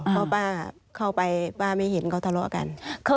เพราะป้าเข้าไปป้าไม่เห็นเขาทะเลาะกัน